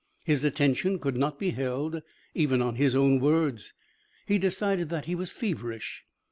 His attention could not be held even on his own words. He decided that he was feverish.